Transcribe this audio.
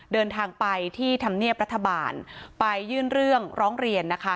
เดินทางไปที่ธรรมเนียบรัฐบาลไปยื่นเรื่องร้องเรียนนะคะ